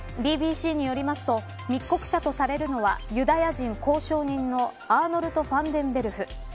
ＢＢＣによりますと密告者とされるのはユダヤ人公証人のアーノルト・ファンデンベルフ。